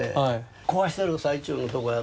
壊してる最中のとこやったから。